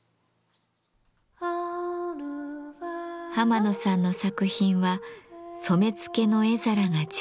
浜野さんの作品は染付の絵皿が中心です。